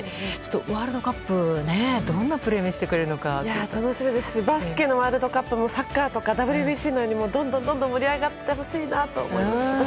ワールドカップで楽しみですしバスケのワールドカップもサッカーとかＷＢＣのように、どんどん盛り上がってほしいと思います。